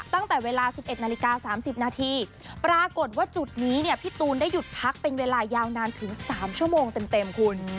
ตั้งแต่เวลา๑๑นาฬิกา๓๐นาทีปรากฏว่าจุดนี้เนี่ยพี่ตูนได้หยุดพักเป็นเวลายาวนานถึง๓ชั่วโมงเต็มคุณ